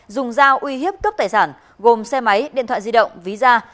dùng dao uy hiếp cướp tài sản gồm xe máy điện thoại di động ví da